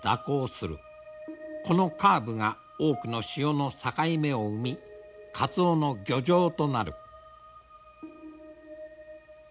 このカーブが多くの潮の境目を生みカツオの漁場となる。